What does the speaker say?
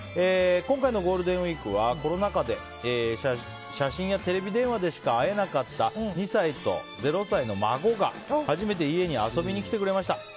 今回のゴールデンウィークはコロナ禍で写真やテレビ電話でしか会えなかった２歳と０歳の孫が初めて家に遊びに来てくれました。